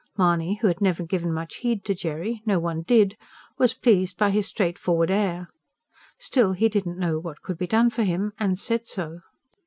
Mahony, who had never given much heed to Jerry no one did was pleased by his straightforward air. Still, he did not know what could be done for him, and said so.